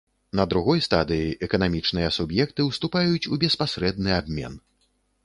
На другой стадыі эканамічныя суб'екты ўступаюць у беспасрэдны абмен.